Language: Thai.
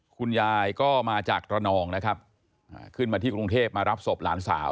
คุณยายก็มาจากระนองนะครับขึ้นมาที่กรุงเทพมารับศพหลานสาว